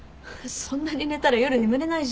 そんなに寝たら夜眠れないじゃん。